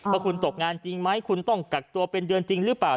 ว่าคุณตกงานจริงไหมคุณต้องกักตัวเป็นเดือนจริงหรือเปล่า